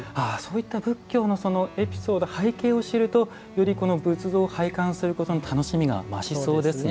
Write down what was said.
そういった仏教のエピソード背景を知るとより仏像を拝観することの楽しみが増しそうですね。